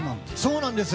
そうなんです。